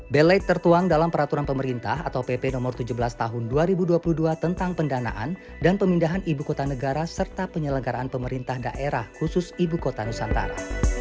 beleit tertuang dalam peraturan pemerintah atau pp no tujuh belas tahun dua ribu dua puluh dua tentang pendanaan dan pemindahan ibu kota negara serta penyelenggaraan pemerintah daerah khusus ibu kota nusantara